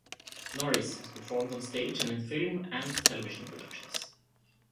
Norris has performed on stage and in film and television productions.